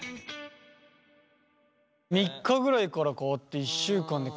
３日ぐらいから変わって１週間で効果。